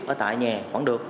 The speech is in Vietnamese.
ở tại nhà vẫn được